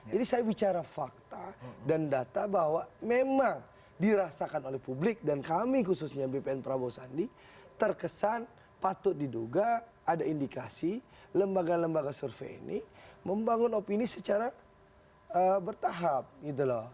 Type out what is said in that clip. jadi saya bicara fakta dan data bahwa memang dirasakan oleh publik dan kami khususnya bpn prabowo sandi terkesan patut diduga ada indikasi lembaga lembaga survei ini membangun opini secara bertahap gitu loh